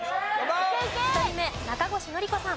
１人目中越典子さん。